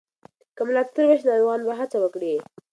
که ملاتړ وشي، ناروغان به هڅه وکړي.